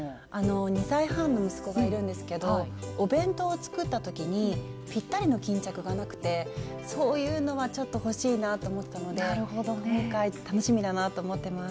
２歳半の息子がいるんですけどお弁当を作った時にぴったりの巾着がなくてそういうのはちょっと欲しいなぁと思ったので今回楽しみだなと思ってます。